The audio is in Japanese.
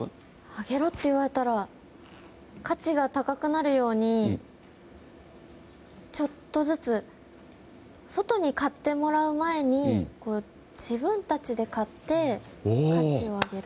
上げろって言われたら価値が高くなるようにちょっとずつ外に買ってもらう前に自分たちで買って価値を上げる。